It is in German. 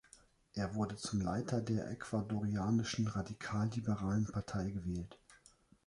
Er wurde zum Leiter der Ecuadorianischen radikalliberalen Partei gewählt.